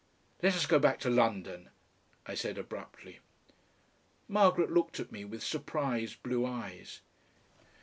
"Let us go back to London," I said abruptly. Margaret looked at me with surprised blue eyes.